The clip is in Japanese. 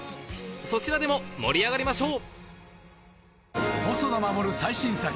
そちらでも盛り上がりましょう！